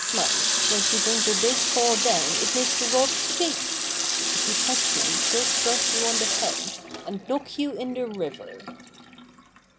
My, when she brings her big paw down it makes the rocks shake! If you touch me she'll strike you on the head, and knock you in the river."